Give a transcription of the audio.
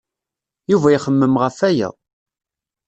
Yuba ixemmem ɣef waya.